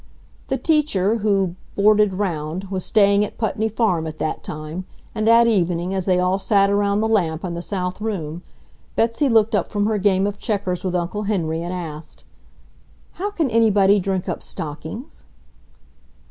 The teacher, who "boarded 'round," was staying at Putney Farm at that time, and that evening, as they all sat around the lamp in the south room, Betsy looked up from her game of checkers with Uncle Henry and asked, "How can anybody drink up stockings?"